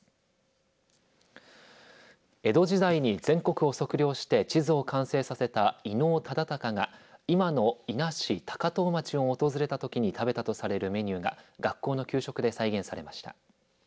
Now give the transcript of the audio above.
江戸時代に全国を測量して地図を完成させた伊能忠敬が今の伊那市高遠町を訪れたときに食べたとされるメニューが学校の給食で再現されました。